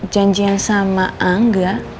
janjian sama angga